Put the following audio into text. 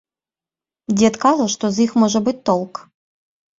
Дзед кажа, што з іх можа быць толк.